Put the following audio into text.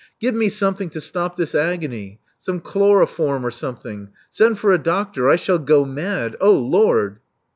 '*Give me something to stop this agony — some chloroform or something. Send for a doctor. I shall go mad. Oh, Lord!"